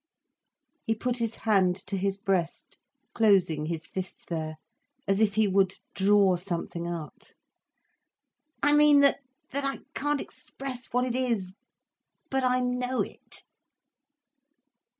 He put his hand to his breast, closing his fist there, as if he would draw something out. "I mean that—that I can't express what it is, but I know it."